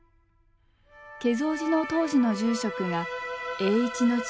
華蔵寺の当時の住職が栄一の父